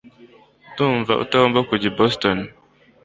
Ndumva utagomba kujya i Boston